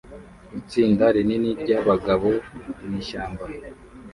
Itsinda rinini ryabagabo mwishyamba